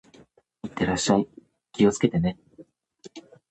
行ってらっしゃい。気をつけてね。